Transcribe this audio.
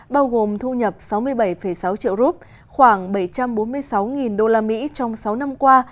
bao gồm thu nhập sáu mươi bảy sáu triệu rup khoảng bảy trăm bốn mươi sáu usd trong sáu năm qua